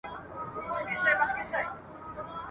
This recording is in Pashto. او ساړه او توند بادونه ..